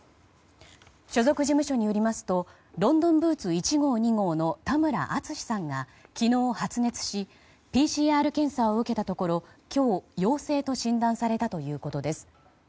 所属事務所によりますとロンドンブーツ１号２号の田村淳さんが昨日、発熱しＰＣＲ検査を受けたところ今日、陽性と診断されたということです。